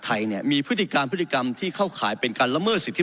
ไทยเนี่ยมีพฤติการพฤติกรรมที่เข้าข่ายเป็นการละเมิดสิทธิ